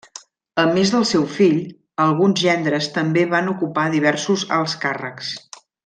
A més del seu fill, alguns gendres també van ocupar diversos alts càrrecs.